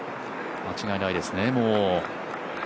間違いないですね、もう。